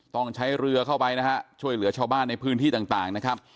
ต้องใช้เรือเข้าไปนะฮะช่วยเหลือชาวบ้านในพื้นที่ต่างนะครับ